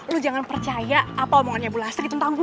lo jangan percaya apa omongan bu lastri tentang gue